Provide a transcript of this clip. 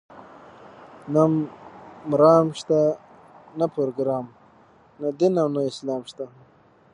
نه مرام شته، نه پروګرام، نه دین او نه اسلام شته.